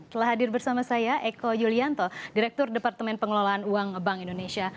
telah hadir bersama saya eko yulianto direktur departemen pengelolaan uang bank indonesia